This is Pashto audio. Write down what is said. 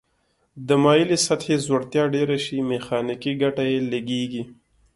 د مایلې سطحې ځوړتیا ډیره شي میخانیکي ګټه یې لږیږي.